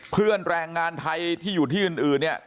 แรงงานไทยที่อยู่ที่อื่นเนี่ย